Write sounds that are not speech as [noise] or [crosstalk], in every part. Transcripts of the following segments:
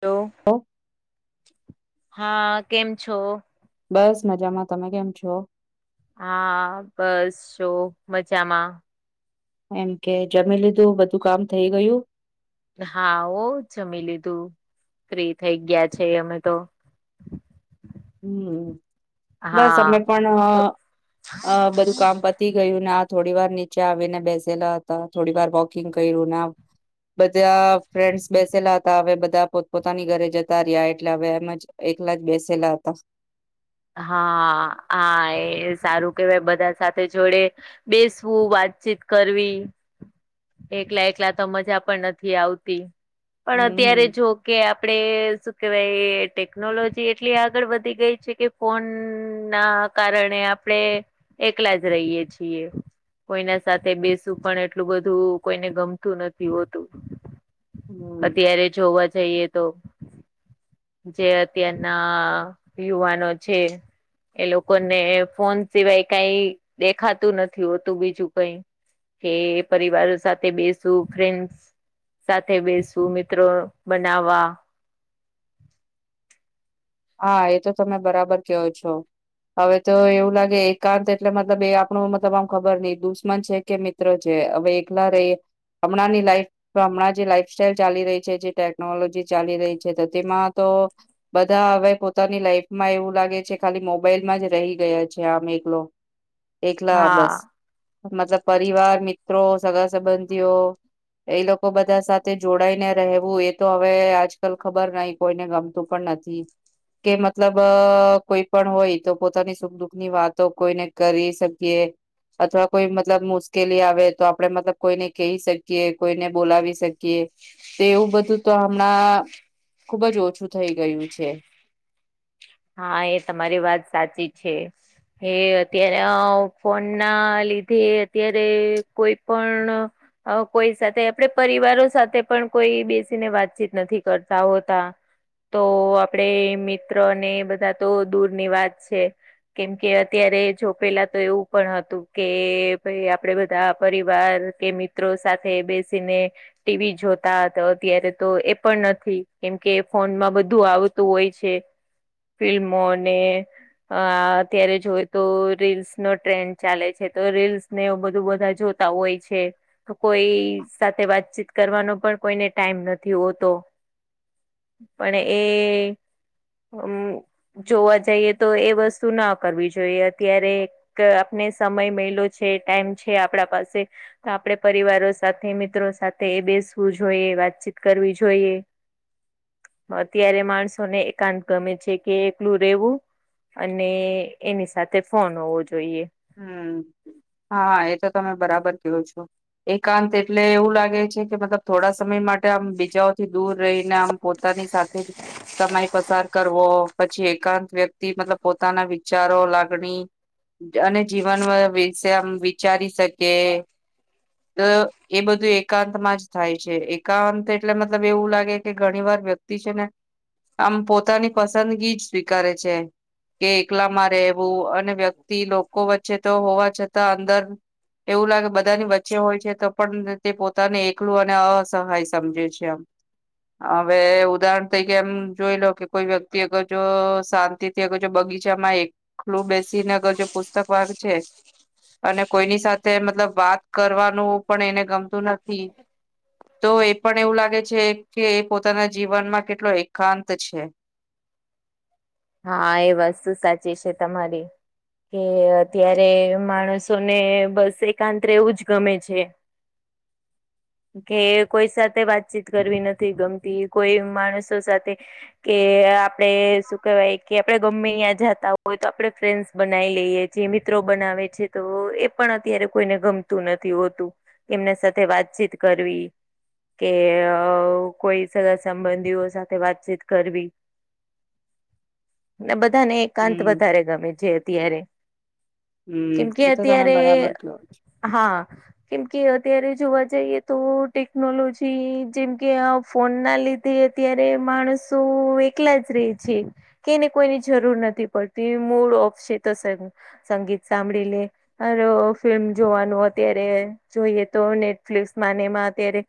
Hello હા કેમ છો બસ મજામાં તમે કેમ છો હા બસ જો મજામાં એમ કે જમી લીધું બધું કામ થઇ ગયું હા ઓ જમી લીધું ફ્રી થઈ ગયા છે અમે તો [inaudible] હમ હા બસ અમે પણ તો બધું કામ પ તી ગયું ના થોડી વાર નીચે આવીને બેસેલા હતા થોડી વાર વોકિંગ કર્યું ના બધા ફ્રેન્ડસ બેસેલા હત હવે બધા પોત પોતાની ઘરે જતા રહ્યા એટલે હવે એમ જ એકલા જ બેસેલા હતા હા હા એ સારું કેવાય બધા સાથે જોડે બેસવું વાતચીત કરવી એકલા એકલા તો મજા પણ નથી આવતી પણ હમ અત્યારે હમ જો કે આપડે શું કેહેવાય ટેક્નોલોજી એટલી આગળ વધી ગઈ કે ફોનના કારણે આપણે એકલા જ રહીએ છીએ કોઈના સાથે બેસું પણ એટલું બધ ધું કોઈને ગમતું નથી હોતું હમ અત્યારે જોવા જઈએ તો જે અત્યારના યુવાનો છે એ લોકોને ફોન સિવાય કઈ દેખાતું નથી હોતું બીજું કઈ કે પરિવાર સાથે બેસું ફ્રેન્ડસ સાથે બેસું મિત્રો બનાવવા [inaudible] હા એ તો તમે બરાબર કહો છો હવે તો એવું લાગે એકાંત એટલે મતલબ એ આપણું મતલબ આમ ખબર નહિ દુશ્મન છે કે મિત્ર છે હવે એકલા રહીએ હમણાંની લાઈફ તો હમણાં જે લાઈફ સ્ટાઇલ ચાલી રહી છે જે ટેકનોલોજી ચાલી રહી છે તો તેમાં તો બધા હવે પોતાની લાઈફમાં એવું લાગે છે ખાલી મોબાઈલમાં જ રહી ગયા છે આમ એકલો એકલા હા બસ મતલબ પરિવાર મિત્રો સગા સંબંધીઓ એ લોકો બધા સાથે જોડાઈ ને રહેવું એ તો હવે આજકાલ ખબર નહ કોઈને ગમતું પણ નથી [unintelligible] કે મતલબ કોઈ પણ હોય તો પોતાની સુખ દુઃખ ની વાતો કોઈને કરી શકીએ અથવા કોઈ મતલબ મુશ્કેલી આવે તો આપણે મતલબ કોઈને કહી શકીએ કોઈને બોલાવી શકીએ તે એવું બધું તો હમણાં ખુબ જ ઓછું થઇ ગયું છે હા એ તમારી વાત સાચી છે એ અત્યારે ફોન ના લીધે અત્યારે કોઈ પણ હ કોઈ સાથે આપડે પરિવારો સાથે પણ કોઈ બેસીને વાતચીત નથી કરતા હોતા તો આપડે મિત્ર ને બધા તો દૂરની વાત છે કેમ કે અત્યારે જો પેલાતો એવું પણ હતું કે ભાઈ આપડે બધા પરિવાર કે મિત્રો સાથે બેસીને ટીવી જોતા હતા અત્યારે તો એ પણ નથી કેમ કે ફોનમાં બધું આવતું હોય છે. ફિલ્મોને અ અત્યારે જોય તો રીલ્સનો ટ્રેન્ડ ચાલે છે તો રીલ્સ ને એવું બધું બધા જોતા હોય છે. તો કોઈ સાથે વાતચીત કરવાનો પણ કોઈને ટાઈમ નથી હોતો પણ એ અમ જોવા જઈએ તો એ વસ્તુ ના કરવી જોઈએ અત્યારે આપને સમય મલીયો છે ટાઈમ છે આપણા પાસે તો આપડે પરિવારો સાથે મિત્રો સાથે બેસવું જોઈએ વાતચીત કરવી જોઈએ [inaudible] અત્યારે માણસોને એકાંત ગમે છે. કે એકલું રેવું અને એની સાથે ફોન હોવો જોઈએ હમ્મ હા એ તો તમે બરાબર કેવો છો એકાંત એટલે એવું લાગે છે કે મતલબ થોડા સમય માટે આમ બીજા થી દૂર રહીને આમ પોતાની સાથે જ સમય પસાર કરવો પછી એકાંત વ્યક્તિ મતલબ પોતાના વિચારો લાગણી અને જીવન વિશે આમ વિચારી શકીએ તો એ બધું એકાંતમાં જ થાય છે એકાંત એટલે મતલબ એવું લાગે કે ઘણી વાર વ્યક્ તી છે ને આમ પોતાની પસંદગી જ સ્વીકારે છે. કે એકલામાં રહેવું અને વ્યક્તિ લોકો વચ્ચે તો હોવા છતાં અંદર એવું લાગે બધાની વચ્ચે હોય છે તો પણ તે પોતાને એકલું અને અસહાય સમજે છે આમ હવે ઉદાહરણ તરીકે એમ જોઈ લો કે કોઈ વ્યક્તિ અગર જો શાંત તેથી અગર જો બગીચામાં એકલું બેસી ને અગર જો પુસ્તક વાંચે અને કોઈની સાથે મતલબ વાત કરવાનું પણ એને ગમતું નથી. તો એ પણ એવું લાગે છે કે એ પોતાના જીવનમાં કેટલો એકાંત છે. હા એ વસ્તુ સાચી છે તમારી કે અત્યારે માણસોને બસ એકાંત રેવું જ ગમે છે. [inaudible] કે કોઈ સાથે વાતચીત કરવી નથી ગમતી કોઈ માણસો સાથે કે આપડે શું શું કેવાય કે આપડે ગમે ત્યાં જતા હોય તો આપણે ફ્રેન્ડ્સ બનાવી લઈએ છીએ મિત્રો બનાવે છે. તો એ પણ અત્યારે કોઈને ગમતું નથી હોતું એમના સાથે વાતચીત કરવી કે કોઈ સગા સંબંધીઓ સાથે વાતચીત કરવી ને બધાને એકાંત હમ્મ વધારે ગમે જે અત્યારે હમ્મ કેમ કે એ તો તમે અત્યારે બરાબર કેવો છો હા કેમ કે અત્યારે જોવા જઈએ તો ટેકનોલોજી જેમ કે આ ફોનના લીધ તે અત્યારે માણસો એકલા જ રે છે કે એને કોઈની જરૂર નથી પડતી મૂડ ઓફ છે તો સંગીત સાંભળીલે [unintelligible] ફિલ્મ જોવાનું અત્યારે જોઈએ તો નેટફ્લિક્સમાને એમાં અત્યારે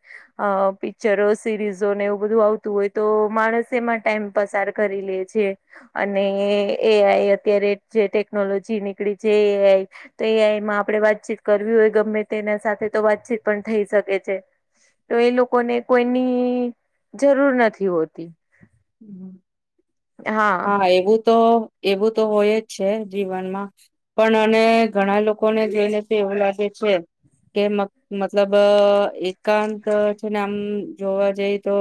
અ પિક્ચરો સિરીઝો ને એવું બધું આવતું હોય તો માણસે એમાં ટાઈમ પસાર કરી લે છે. અને એ એઆઈ અત્યારે જે ટેકનોલોજી નીકળી છે એઆઈ તો એઆઈમાં આપડે વાતચીત કરવી હોય ગમે તેના સાથે તો વાતચીત પણ થઈ શકે છે. તો એ લોકોને કોઈની જરૂર નથી હોતી. [inaudible] હા, એવું તો-એવું તો હોય જ છે જીવનમાં. પણ અને ઘણા લોકોને જોઈને તો એવું લાગે છે કે મત મતલબ એકાંત છે ને આમ જોવા જઈ તો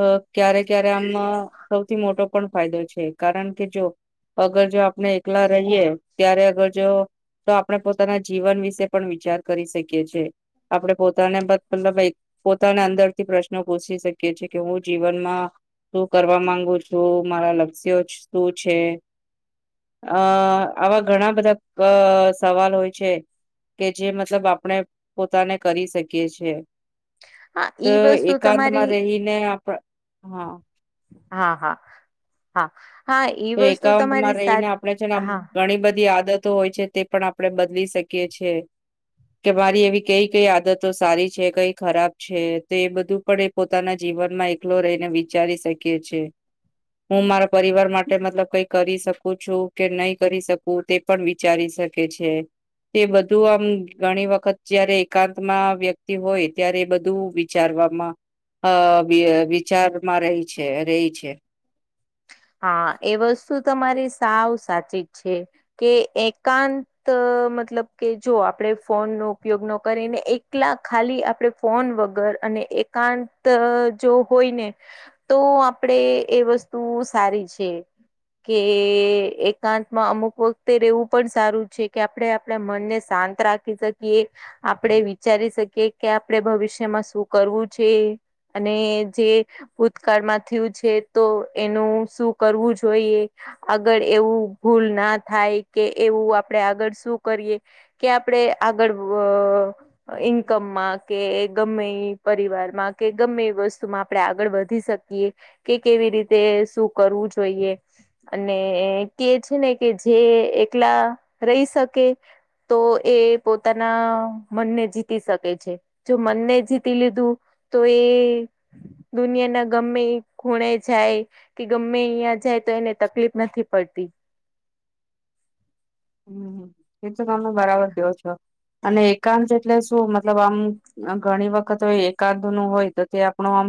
અ ક્યારે ક્યારે આમ સૌથી મોટો પણ ફાયદો છે કારણ કે જો અગર જો આપણે એકલા રહીએ ત્યારે અગર જો તો આપણે પોતાના જીવન વિશે પણ વિચાર કરી શકીએ છીએ. આપણે પોતાને [inaudible] પંદર મિનિટ પોતાને અંદરથી પ્રશ્નો પૂછી શકીએ છીએ કે હું જીવનમાં શું કરવા માંગુ છું? તો મારા લક્ષ્યો જ શું છે? અ આવા ઘણા બધા ક સવાલ હોય છે. કે જે મતલબ આપણે પોતાને કરી શકીએ છે. હા અ ઈ વસ્તુ એકાંતમાં તમારી રહીને આપ, હ. હા, હા, હા. હા એ તો વસ્તુ એકાંત તમારી સા રહીને આપણે છે ને આમ હા ઘણી બધી આદતો હોય છે તે પણ આપણેે બદલી શકીએ છે. કે મારી એવી કઈ કઈ આદતો સારી છે?, કઈ ખરાબ છે? તો એ બધું આપડે પોતાના જીવનમાં એકલો રહીને વિચારી શકીએ છે. હું મારા પરિવારમા ટે મતલબ કઈ કરી શકું છું કે નહી કરી શકું તે પણ વિચારી શકે છે. એ બધું આમ ઘણી વખત જયારે એકાતમાં વ્યક્તિ હોય ત્યારે બધું વિ ચારવામાં અ વિ વિચારવામાં રહી છે, રેય છે. હા, એ વસ્તુ તમારી સાવ સાચી જ છે. કે એકાંત મતલબ કે જો આપણે ફોન નો ઉપયોગ ન કરીને એક કલા ખાલી આપડે ફોન વગર અને એકાંત જો હોય ને તો આપડે એ વસ્તુ સારી છે. કે એકાંત માં અમુક વખતે રેવું પણ સારું છે કે આપડે આપડા મનને શાંત રા ખી શકીએ, આપડે વિચારી શકીએ કે આપડે ભવિષ્યમાં શું કરવું છે? અને જે ભૂતકાળમાં થ્યું છે તો એનું શું કરવું જોઈએ? અગર એવું ભૂલ ના થાય કે એવું આપડે આગળ શું કરીએ કે આપડે આગળ વઅ ઇન્કમમાં કે ગમે ઈ પરિવારમાં કે ગમે ઈ વસ્તુમાં આપડે આગળ વધી શકીએ કે કેવી રીતે શું કરવું જોઈએ અને કે છે ને કે જે એકલા રહી શકે તો એ પોતાના મનને જીતી શકે છે. જો મનને જીતી લીધું તો એ દુનિયાના ગમે ઈ ખૂણે જાય કે ગમ્મે ઇયા જાય તો એને તકલીફ નથી પડતી. હમ, એ તો તમે બરાબર કેવો છો, અને એકાંત એટલે શું મતલબ આમ આ ઘણી વખત હોય એકાદનું હોય તો તે આપણું આમ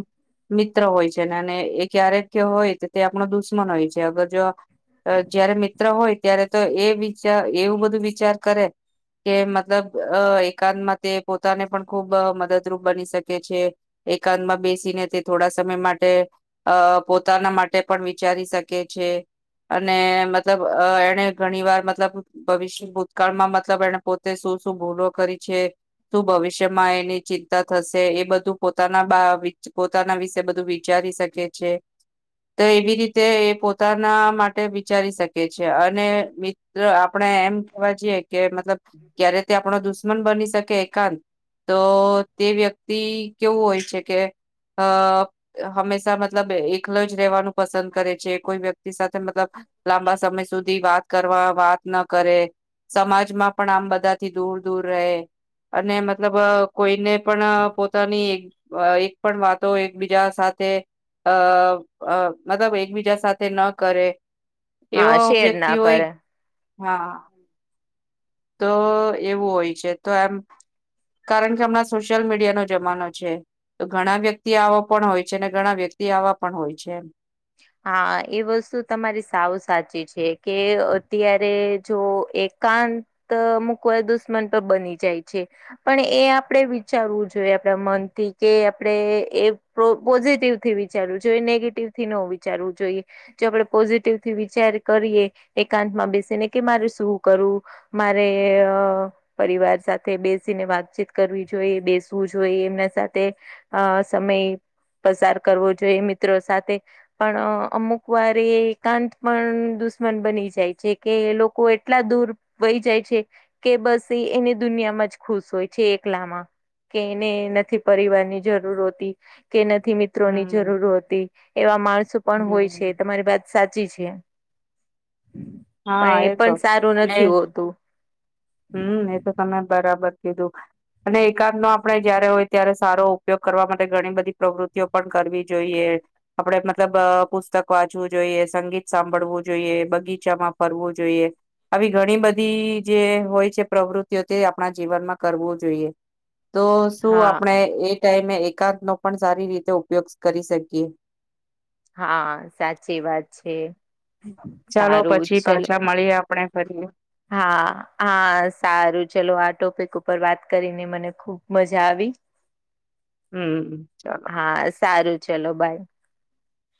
મિત્રો હોય છે ને અને એ ક્યારેક હોય ત તે આપણો દુશ્મન હોય છે અગર જો અ જ્યારે મિત્ર હોય ત્યારે તો એ વિચાર એવું બધું વિચાર કરે કે મતલબ અ એકાંતમાં તે પોતાને પણ ખૂબ મદદરૂપ બની શકે છે એકાંતમાં બેસીને તે થોડા સમય માટે અ પોતાના માટે પણ વિચારી શકે છે અને મતલબ અ એને ઘણી વાર મતલબ ભવિષ ભૂતકાળમાં મતલબ એને પોતે શું શું ભૂલો કરી છે શું ભવિષ્યમાં એની ચિંતા થશે એ બધું પોતાના બા બી પોતાના વિશે બધું વિચારી શકે છે. તો એવી રીતે એ પોતાના માટે વિચારી શકે છે અને વી જો આપણેે એમ કહેવાય છે કે મતલબ ક્યારે તે આપણો દુશ્મન બની શકે એકાંત તો તે વ્યક્તિ કેવું હોય છે કે અ હંમેશા મતલબ એકલો જ રહેવાનું પસંદ કરે છે કોઈ વ્યક્તિ સાથે મતલબ લાંબા સમય સુધી વાત કરવા વાત ન કરે સમાજમાં પણ આમ બધાથી દૂર દૂર રહે અને મતલબ કોઈને પણ પોતાની એક પણ વાતો એકબીજા સાથે અ અ મતલબ એકબીજા સાથે ન કરે હા એવો શેર વ્યક્તિ ના હોય. કરે હા. તો એવું હોય છે તો એમ કારણ કે હમણાં સોશિયલ મીડિયાનો જમાનો છે. તો ઘણા વ્યક્તિ આવો પણ હોય છે અને ઘણા વ્યક્તિ આવવા પણ હોય છે એમ હા, એ વસ્તુ તમારી સાવ સાચી છે. કે અત્યારે જો એક કાંત મુકવા દુશ્મન તો બની જાય છે. પણ એ આપણેે વિચારવું જોઈએ આપણા મનથી કે આપણેે એ તો પોઝિટિવથી વિચારવું જોઈએ નેગેટિવથી ન વિચારવું જોઈએ. જો આપણે પોઝિટિવથી વિચાર કરીએ કે મારે શું કરવું મારે અ પરિવાર સાથે બેસીને વાતચીત કરવી જોઈએ બેસવું જોઈ એમના સાથે અ સમય પસાર કરવો જોઈએ મિત્રો સાથે પણ અમુક વાર એ એકાંત પણ દુશ્મન બની જાય છે કે લોકો એટલા દૂર વહી જાય છે કે બસ એ એને દુનિયામાં જ ખુશ હોય છે એકલામાં કે એને નથી પરિવારની જરૂર હોતી કે નથી મિત્રોની હમ જરૂર હોતી એવા માણસો પણ હોય છે તમે હમ તમારી વાત સાચી છે પણ હા એ તો પણ સારું ને નથી હોતું હમ એ તો તમે બરાબર કીધું અને એકાંતનો આપણે જયારે હોય ત્યારે સારો ઉપયોગ કરવા માટે ઘણી બધી પ્રવૃત્તિઓ પણ કરવી જોઈએ આપણે મતલબ પુસ્તક વાંચવું જોઈએ સંગીત સાંભળવું જોઈએ બગીચામાં ફરવું જોઈએ. આવી ઘણી બધી જે હોય છે પ્રવૃત્તિઓ તે આપણા જીવનમાં કરવું જોઈએ તો શું હા આપણે એક ટાઈમે એકાંતનો પણ સારી રીતે ઉપયોગ કરી શકીએ. હા સાચી વાત છે ચાલો સારું પછી ચલો પાછા મળીએ આપણેે ફરી હા હા સારું ચલો આ ટોપિક ઉપર વાત કરીને મને ખુબ મજા આવી. [inaudible] ચાલો. હા સારું ચલો બાય